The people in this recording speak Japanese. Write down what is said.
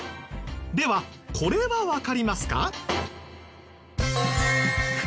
ではこれはわかりますか？